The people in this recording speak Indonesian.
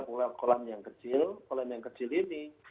kolam kolam yang kecil kolam yang kecil ini